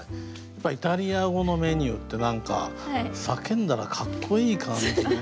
やっぱイタリア語のメニューって何か叫んだらかっこいい感じのものが多いんですよね。